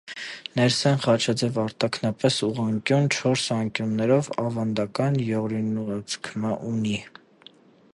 Ներսէն խաչաձեւ, արտաքնապէս ուղղանկիւն, չորս անկիւններուն աւանդատուներով յօրինուածք մը ունի։